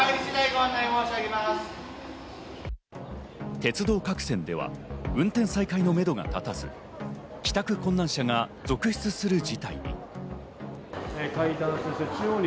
鉄道各線では運転再開のめどが立たず、帰宅困難者が続出する事態に。